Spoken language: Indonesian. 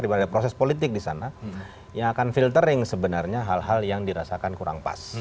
karena ada proses politik disana yang akan filtering sebenarnya hal hal yang dirasakan kurang pas